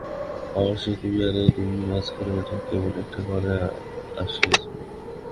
আমার সেই-তুমি আর এই-তুমির মাঝখানে ওটা কেবল একটা ঘোর আসিয়াছিল।